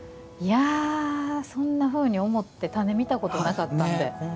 そんなふうに思って種、見たことなかったなって。